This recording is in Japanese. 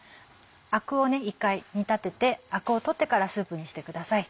あくを一回煮立ててあくを取ってからスープにしてください。